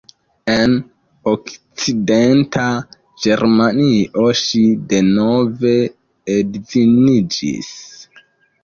En Okcidenta Germanio ŝi denove edziniĝis.